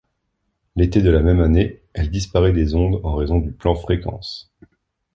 L'été de la même année, elle disparaît des ondes en raison du Plan Fréquence.